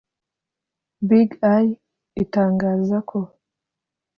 BigEye itangaza ko